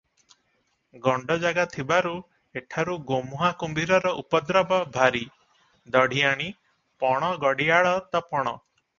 ଗଣ୍ତଜାଗା ଥିବାରୁ ଏଠାରୁ ଗୋମୁଁହା କୁମ୍ଭୀରର ଉପଦ୍ରବ ଭାରି, ଦଢ଼ିଆଣି, ପଣ ଘଡ଼ିଆଳ ତ ପଣ ।